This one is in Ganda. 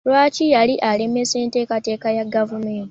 Lwaki yali alemesa enteekateeka ya gavumenti?